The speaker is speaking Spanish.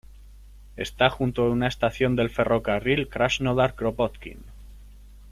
Está junto a una estación del ferrocarril Krasnodar-Kropotkin.